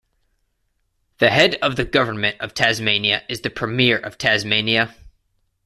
The head of the Government of Tasmania is the Premier of Tasmania.